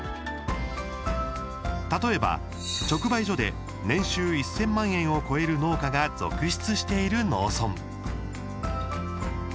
例えば、直売所で年収１０００万円を超える農家が続出している農村。